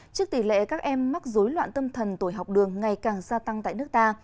trước tỷ lệ các em mắc dối loạn tâm thần tồi học đường ngày càng gia tăng tại nước ta